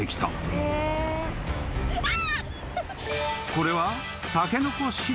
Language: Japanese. ［これは］